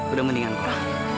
udah mendingan kau